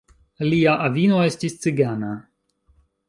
Lia avino estis cigana.